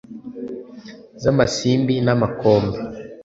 Z'Amasimbi n'Amakombe